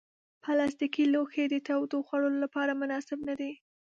پلاستيکي لوښي د تودو خوړو لپاره مناسب نه دي.